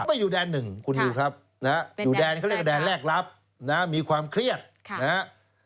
ไม่อยู่แดนหนึ่งคุณนิวครับนะครับอยู่แดนเขาเรียกว่าแดนแรกลับนะครับมีความเครียดนะครับ